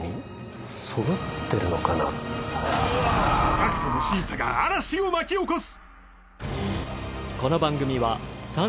ＧＡＣＫＴの審査が嵐を巻き起こす！